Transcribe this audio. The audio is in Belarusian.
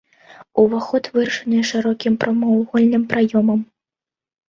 Уваход вырашаны шырокім прамавугольным праёмам.